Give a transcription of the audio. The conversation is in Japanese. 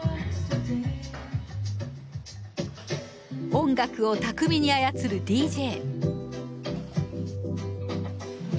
音楽を巧みに操るＤＪ。